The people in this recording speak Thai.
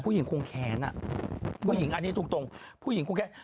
ผู้หญิงคงแค้นอ่ะผู้หญิงอันนี้ถูกตรง